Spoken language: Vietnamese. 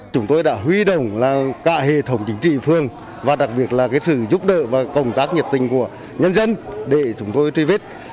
chúng tôi đã huy động cả hệ thống chính trị phương và đặc biệt là sự giúp đỡ và công tác nhiệt tình của nhân dân để chúng tôi truy vết